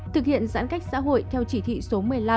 thực hiện giãn cách xã hội theo chỉ thị số một mươi năm